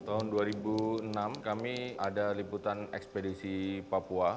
tahun dua ribu enam kami ada liputan ekspedisi papua